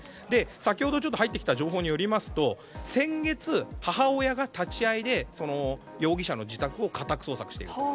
先ほど入ってきた情報によりますと先月、母親が立ち合いで容疑者の自宅を家宅捜索していると。